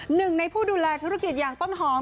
หนึ่งในผู้ดูแลธุรกิจอย่างต้นหอม